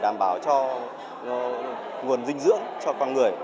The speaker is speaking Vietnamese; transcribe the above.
đảm bảo cho nguồn dinh dưỡng cho con người